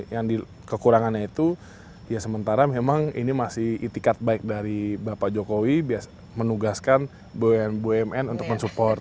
yang kekurangannya itu ya sementara memang ini masih itikat baik dari bapak jokowi menugaskan bumn untuk mensupport